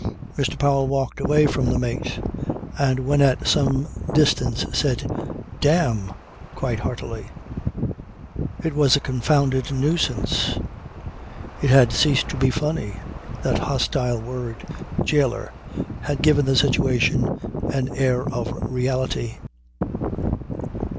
Mr. Powell walked away from the mate and when at some distance said, "Damn!" quite heartily. It was a confounded nuisance. It had ceased to be funny; that hostile word "jailer" had given the situation an air of reality.